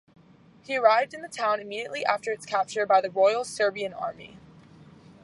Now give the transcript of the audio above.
He arrived in the town immediately after its capture by the Royal Serbian Army.